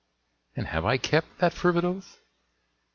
And have I kept that fervid oath?